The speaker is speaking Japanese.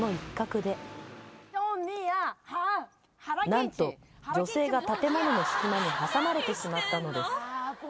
何と女性が建物の隙間に挟まれてしまったのです。